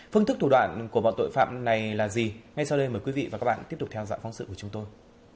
phương thức thủ đoạn của bọn tội phạm này là gì ngay sau đây mời quý vị và các bạn tiếp tục theo dõi phóng sự của chúng tôi